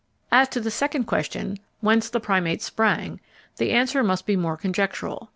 As to the second question: Whence the Primates sprang, the answer must be more conjectural.